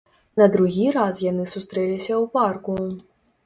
На другі раз яны сустрэліся ў парку.